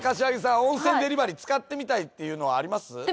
温泉デリバリー使ってみたいっていうのはあります？